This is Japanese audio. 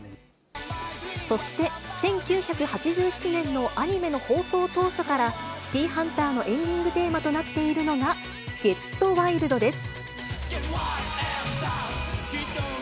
そして１９８７年のアニメの放送当初から、シティーハンターのエンディングテーマとなっているのが、ＧｅｔＷｉｌｄです。